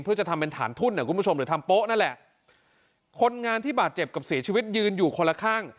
เพื่อจะทำเป็นฐานทุ่นอ่ะคุณผู้ชมหรือทำโป๊ะนั่นแหละคนงานที่บาดเจ็บกับเสียชีวิตยืนอยู่คนละข้าง